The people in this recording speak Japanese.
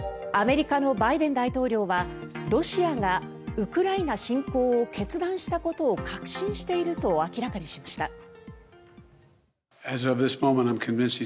アメリカのバイデン大統領はロシアがウクライナ侵攻を決断したことを確信していると明らかにしました。